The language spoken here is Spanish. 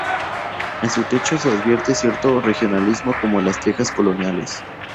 En su techo se advierte cierto regionalismo como las tejas coloniales.